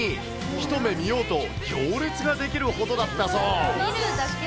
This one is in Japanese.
一目見ようと、行列が出来るほどだったそう。